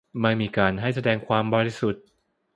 ไม่มีการให้แสดงความบริสุทธิ์